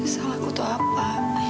salah aku tuh apa